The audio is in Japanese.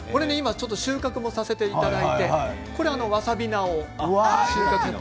収穫もさせていただいてわさび菜を収穫。